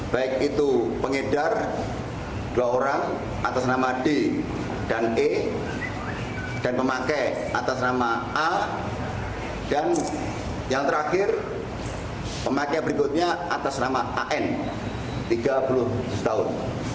baik itu pengedar dua orang atas nama d dan e dan pemakai atas nama a dan yang terakhir pemakaian berikutnya atas nama an tiga puluh tahun